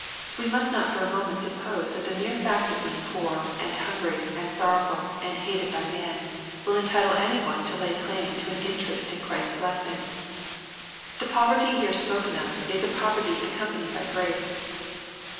We must not for a moment suppose that the mere fact of being poor, and hungry, and sorrowful, and hated by man, will entitle any one to lay claim to an in* terest in Christ's blessing. The poverty here spoken of, is a poverty accompanied by grace.